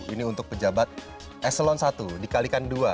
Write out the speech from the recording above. ini untuk pejabat eselon satu dikalikan dua